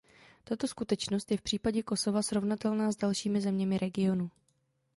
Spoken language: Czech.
Tato skutečnost je v případě Kosova srovnatelná s dalšími zeměmi regionu.